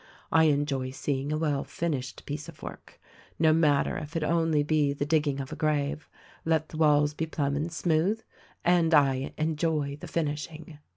I enjoy seeing a well finished piece of work — no matter if it be only the dig ging of a grave, let the walls be plumb and smooth — and I enjoy the finishing.